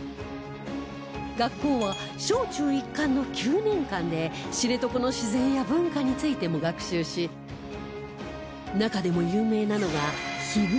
学校は小中一貫の９年間で知床の自然や文化についても学習し中でも有名なのがヒグマの授業